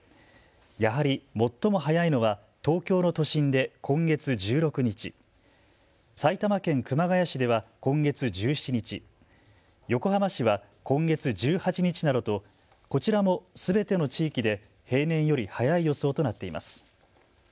やはり最も早いのは東京の都心で今月１６日、埼玉県熊谷市では今月１４日、横浜市は今月１８日などとこちらもすべての地域で平年より早い予想となっています。